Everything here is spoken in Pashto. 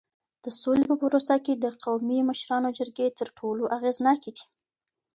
د سولې په پروسه کي د قومي مشرانو جرګې تر ټولو اغیزناکي دي.